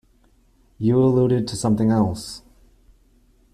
You alluded to something else.